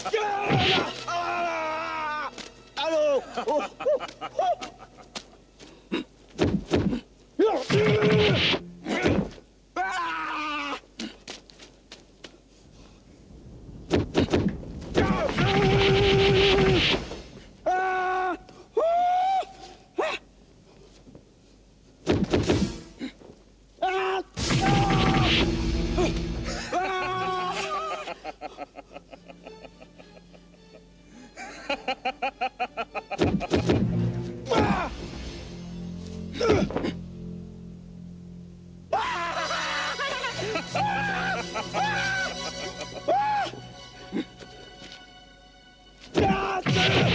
juros delapan gunung meletus